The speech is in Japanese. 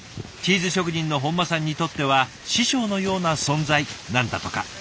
チーズ職人の本間さんにとっては師匠のような存在なんだとか。